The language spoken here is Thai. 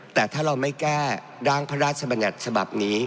แต่ถ้าเราไม่แก้ร่างพระราชบัญญัติฉบับนี้